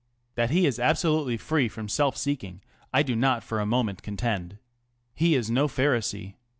That he is absolutely free from self seeking I do not fo: a moment contend. He is no Pharisee.